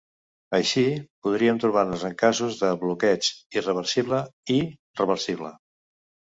Així, podríem trobar-nos en casos de bloqueig irreversible i reversible.